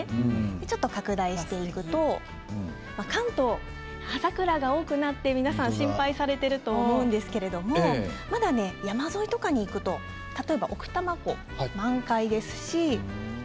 ちょっと拡大していくと関東、葉桜が多くなって皆さん心配されていると思うんですけれどまだ、山沿いとかに行くと例えば奥多摩湖、満開ですし